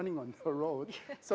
masih berjalan di jalanan